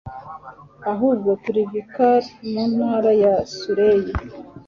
ahubwo turi vicar, mu ntara ya surrey